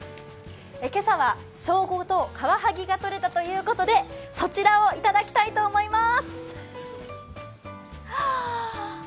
今朝はショウゴとカワハギがとれたということでそちらをいただきたいと思います。